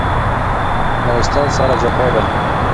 له استاد سره جفا ده